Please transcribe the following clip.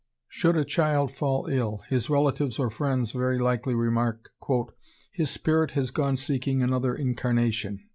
Should a child fall ill, his relatives or friends very likely remark, "His spirit has gone seeking another incarnation."